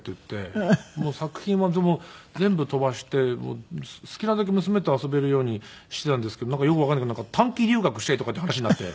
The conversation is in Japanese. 作品はもう全部飛ばして好きなだけ娘と遊べるようにしていたんですけどよくわかんないけどなんか短期留学したいとかっていう話になって。